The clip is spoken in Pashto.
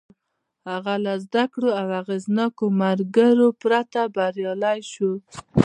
هغه له زدهکړو او اغېزناکو ملګرو پرته بريالی شو.